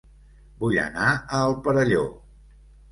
Vull anar a El Perelló